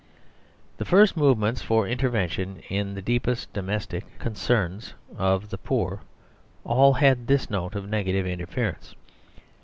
The first movements for intervention in the deepest domestic concerns of the poor all had this note of negative interference.